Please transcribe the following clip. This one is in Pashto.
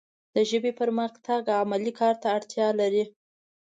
د ژبې پرمختګ علمي کار ته اړتیا لري